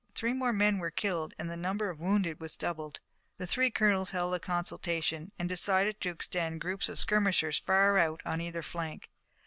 Three more men were killed and the number of wounded was doubled. The three colonels held a consultation, and decided to extend groups of skirmishers far out on either flank.